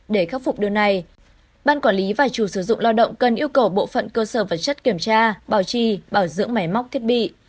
để khắc phục điều này ban quản lý và chủ sử dụng lao động cần yêu cầu bộ phận cơ sở vật chất kiểm tra bảo trì bảo dưỡng máy móc thiết bị